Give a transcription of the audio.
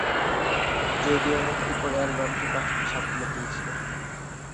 যদিও মুক্তির পর অ্যালবামটি প্রাথমিক সাফল্য পেয়েছিল।